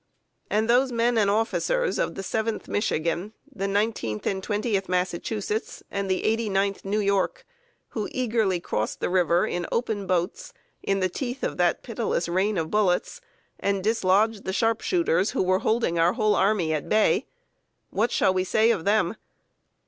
] And those men and officers of the Seventh Michigan, the Nineteenth and Twentieth Massachusetts, and the Eighty ninth New York, who eagerly crossed the river in open boats, in the teeth of that pitiless rain of bullets, and dislodged the sharpshooters who were holding our whole army at bay what shall we say of them?